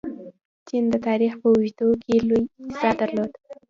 چین د تاریخ په اوږدو کې لوی اقتصاد درلود.